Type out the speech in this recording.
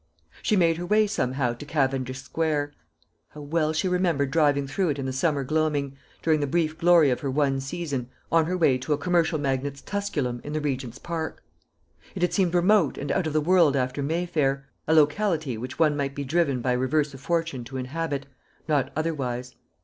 She made her way somehow to Cavendish square. How well she remembered driving through it in the summer gloaming, during the brief glory of her one season, on her way to a commercial magnate's Tusculum in the Regent's park! It had seemed remote and out of the world after Mayfair a locality which one might be driven by reverse of fortune to inhabit, not otherwise.